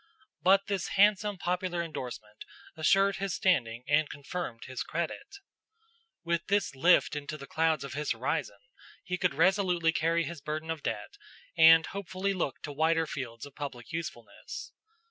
But this handsome popular indorsement assured his standing and confirmed his credit. With this lift in the clouds of his horizon, he could resolutely carry his burden of debt and hopefully look to wider fields of public usefulness.